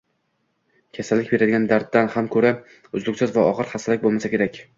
Keksalik beradigan darddan ham ko’ra uzluksiz va og’ir xastalik bo’lmasa kerak.